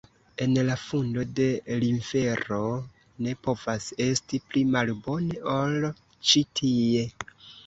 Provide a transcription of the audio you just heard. En la fundo de l' infero ne povas esti pli malbone, ol ĉi tie.